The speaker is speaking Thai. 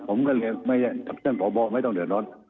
ผมก็เลยไม่ต้องเดือนร้อน